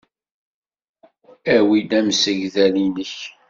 Awi-d amsegdal-nnek.